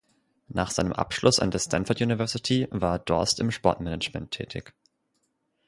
Nach seinem Abschluss an der Stanford University war Dorst im Sportmanagement tätig.